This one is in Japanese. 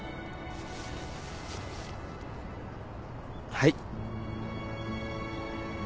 はい。